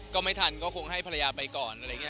ก็ไม่ทันก็คงให้ภรรยาไปก่อน